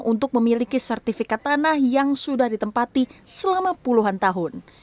untuk memiliki sertifikat tanah yang sudah ditempati selama puluhan tahun